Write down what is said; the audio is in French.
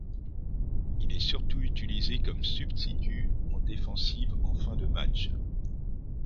Il est surtout utilisé comme substitut en défensive en fin de match.